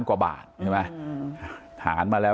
กลับให้เด็กไป